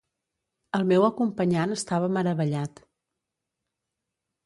El meu acompanyant estava meravellat...